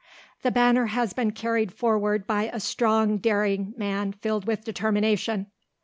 The banner has been carried forward by a strong daring man filled with determination.